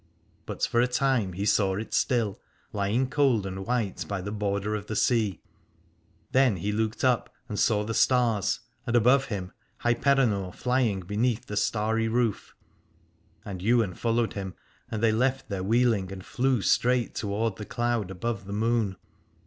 But for a time he saw it still lying cold and white by the border of the sea. Then he looked up and saw the stars, and above him Hyperenor flying beneath the starry roof : and Ywain followed him and they left their wheel ing and flew straight toward the cloud above the moon.